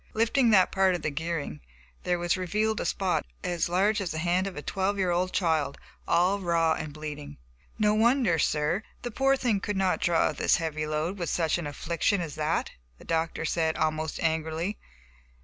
Lifting that part of the gearing, there was revealed a spot as large as the hand of a twelve year old child, all raw and bleeding. "No wonder, sir, the poor thing could not draw this heavy load, with such an affliction as that," the doctor said, almost angrily.